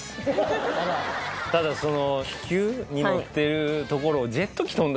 ただその気球に乗ってるところを。